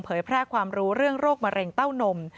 แพร่ความรู้เรื่องโรคมะเร็งเต้านม